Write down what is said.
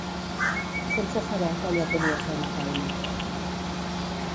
sense saber que allò podia ser una feina